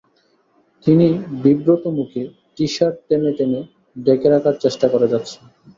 তিনি বিব্রত মুখে টি-শার্ট টেনে টেনে ঢেকে রাখার চেষ্টা করে যাচ্ছেন।